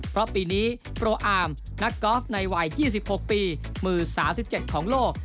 เพราะปีนี้โปรอาร์มนักกอล์ฟในวัย๒๖ปีมือ๓๗ของโลก